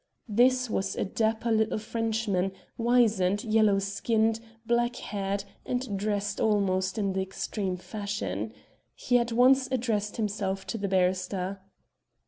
This was a dapper little Frenchman, wizened, yellow skinned, black haired, and dressed almost in the extreme of fashion. He at once addressed himself to the barrister.